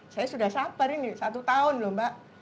saya sudah sabar ini satu tahun loh mbak